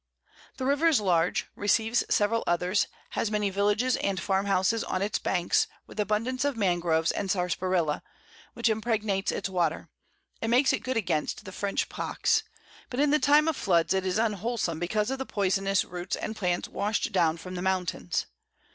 The River is large, receives several others, has many Villages and Farm Houses on its Banks, with abundance of Mangroves and Sarsaparilla, which impregnates its Water, and makes it good against the French Pox, but in the Time of Floods it is unwholesome, because of the poysonous Roots and Plants wash'd down from the Mountains.